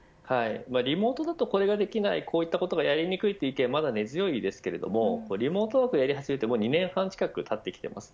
リモートだとこれができないこういったことがやりにくいという意見は根強いですがリモートワークをやり始めて２年半近くたっています。